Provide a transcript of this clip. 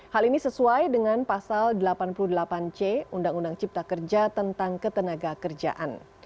hal ini sesuai dengan pasal delapan puluh delapan c undang undang cipta kerja tentang ketenaga kerjaan